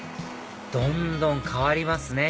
どんどん変わりますね